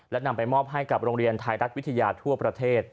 และนำไปมอบให้กับโรงเรียนไทยรัฐวิทยาทั่วประเทศ